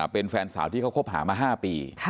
เป็นแฟนสาวที่เขาคบหามา๕ปี